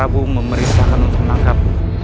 aku memerintahkan untuk menangkapmu